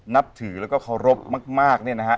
นับถือแล้วก็เคารพมากเนี่ยนะฮะ